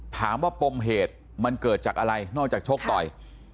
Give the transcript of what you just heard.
ปมเหตุมันเกิดจากอะไรนอกจากชกต่อย